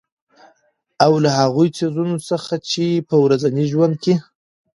او له هـغو څـيزونه څـخـه چـې په ورځـني ژونـد کـې